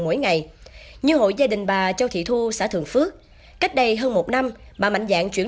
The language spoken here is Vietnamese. mỗi ngày như hội gia đình bà châu thị thu xã thượng phước cách đây hơn một năm bà mạnh dạng chuyển